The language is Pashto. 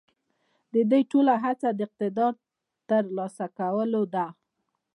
د دوی ټوله هڅه د اقتدار د تر لاسه کولو ده.